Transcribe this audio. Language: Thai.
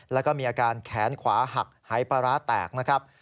แล้วก็มีอาการแขนขวาหักหายปลาร้าแตกนะครับ